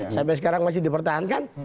sampai sekarang masih dipertahankan